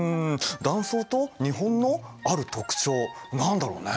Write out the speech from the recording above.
断層と日本のある特徴何だろうね？